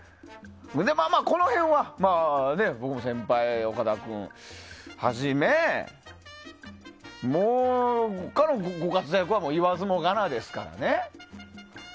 この辺は僕も先輩岡田君をはじめもう、ここからのご活躍は言わずもがなですからね。